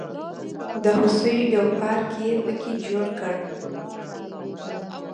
د هوسیو یو پارک یې په کې جوړ کړ.